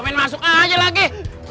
main masuk aja lagi